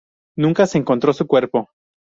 Nunca se encontró su cuerpo.